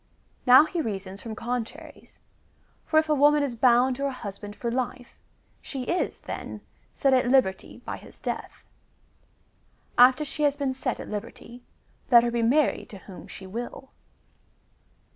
^ Now he reasons from contraries; for if a woman is bound to her husband for life, she is, then, set at liberty by his death. After she has been set at liberty, let her he married to whom she will.